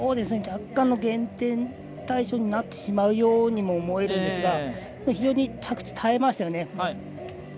若干の減点対象になってしまうようにも思えるんですが非常に着地、耐えましたよね。